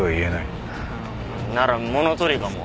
なら物取りかも。